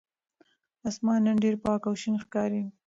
آسمان نن ډېر پاک او شین ښکاري.